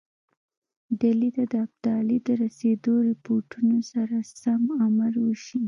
ډهلي ته د ابدالي د رسېدلو رپوټونو سره سم امر وشي.